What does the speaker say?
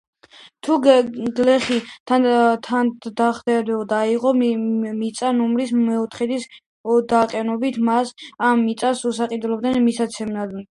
თუ გლეხი დათანხმდებოდა აეღო მიწა ნორმის მეოთხედის ოდენობით, მას ამ მიწას უსასყიდლოდ მისცემდნენ.